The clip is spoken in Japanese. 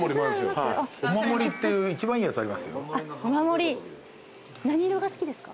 お守りっていう一番いいやつありますよ。